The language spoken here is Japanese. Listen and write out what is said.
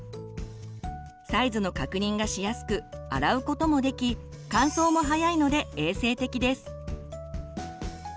サイズの確認がしやすく洗うこともでき乾燥もはやいので衛生的です。